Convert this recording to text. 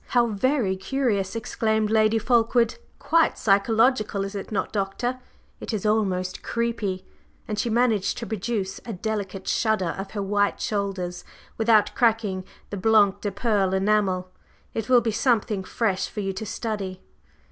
"How very curious!" exclaimed Lady Fulkeward. "Quite psychological, is it not, Doctor? It is almost creepy!" and she managed to produce a delicate shudder of her white shoulders without cracking the blanc de perle enamel. "It will be something fresh for you to study."